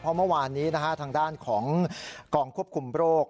เพราะเมื่อวานนี้ทางด้านของกองควบคุมโรค